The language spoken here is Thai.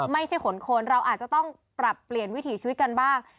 ไม่ใช่ขนคนเราอาจจะต้องปรับเปลี่ยนวิถีชีวิตกันบ้าง